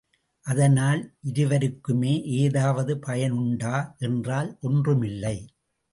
அதனால், இருவருக்குமே ஏதாவது பயனுண்டா என்றால் ஒன்றுமில்லை.